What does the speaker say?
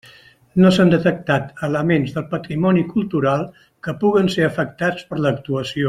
No s'han detectat elements del patrimoni cultural que puguen ser afectats per l'actuació.